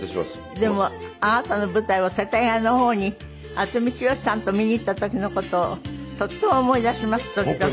でもあなたの舞台を世田谷の方に渥美清さんと見に行った時の事をとっても思い出します時々。